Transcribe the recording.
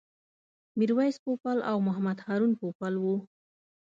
میرویس پوپل او محمد هارون پوپل و.